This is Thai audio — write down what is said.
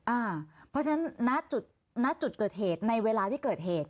เพราะฉะนั้นณจุดณจุดเกิดเหตุในเวลาที่เกิดเหตุ